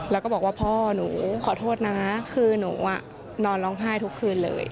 แล้วก็บอกว่าพ่อหนูขอโทษนะคือหนูนอนร้องไห้ทุกคืนเลย